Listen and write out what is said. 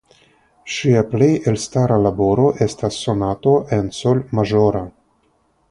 Ŝia plej elstara laboro estas Sonato en Sol maĵora.